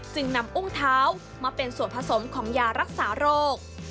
จึงนำอุ้งเท้ามาเป็นส่วนผสมของยารักษาโรค